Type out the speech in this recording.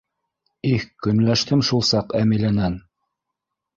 Их, көнләштем шул саҡ Әмиләнән.